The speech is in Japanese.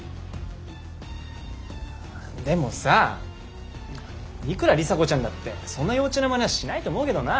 でもさいくら里紗子ちゃんだってそんな幼稚なまねはしないと思うけどな。